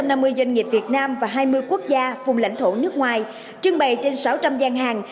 đã thu hút bốn trăm năm mươi doanh nghiệp việt nam và hai mươi quốc gia vùng lãnh thổ nước ngoài trưng bày trên sáu trăm linh gian hàng